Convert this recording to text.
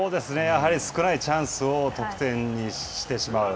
やはり少ないチャンスを得点にしてしまう。